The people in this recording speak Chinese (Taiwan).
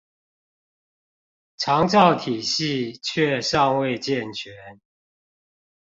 長照體系卻尚未健全